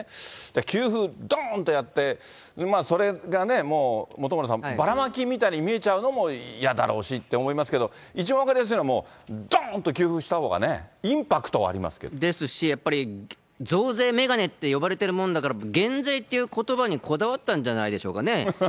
給付、どーんとやって、それがもう本村さん、ばらまきみたいに見えちゃうのもやだろうしと思いますけど、一番分かりやすいのは、どーんと給付したほうがね、インパクトはですし、やっぱり増税眼鏡って呼ばれてるもんだから、減税っていうことばにこだわったんじゃないでしょうかね。